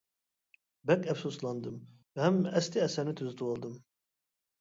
بەك ئەپسۇسلاندىم، ھەم ئەسلى ئەسەرنى تۈزىتىۋالدىم.